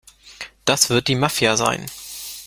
Das wird die Mafia sein.